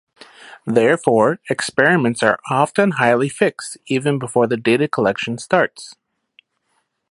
Therefore, experiments are often highly fixed even before the data collection starts.